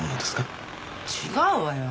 違うわよ。